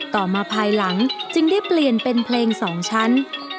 ต่อมาภายหลังจึงได้เปลี่ยนเป็นเพลงสองชั้น